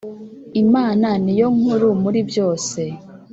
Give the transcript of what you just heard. Imana niyonkuru muri byose.